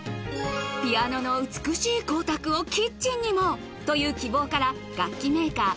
ピアノの美しい光沢をキッチンにもという希望から楽器メーカー